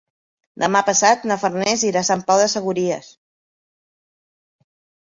Demà passat na Farners irà a Sant Pau de Segúries.